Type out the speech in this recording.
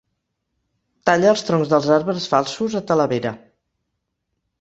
Talla els troncs dels arbres falsos a Talavera.